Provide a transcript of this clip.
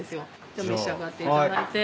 じゃあ召し上がっていただいて。